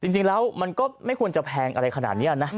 จริงแล้วมันก็ไม่ควรจะแพงอะไรขนาดนี้นะ